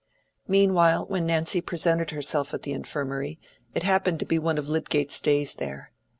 Meanwhile when Nancy presented herself at the Infirmary, it happened to be one of Lydgate's days there.